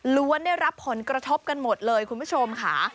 ได้รับผลกระทบกันหมดเลยคุณผู้ชมค่ะ